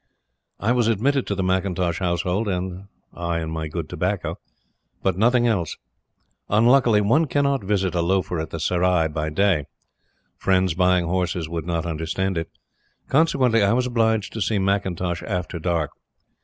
I was admitted to the McIntosh household I and my good tobacco. But nothing else. Unluckily, one cannot visit a loafer in the Serai by day. Friends buying horses would not understand it. Consequently, I was obliged to see McIntosh after dark.